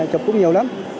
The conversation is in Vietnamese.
đến đây chụp cũng nhiều lắm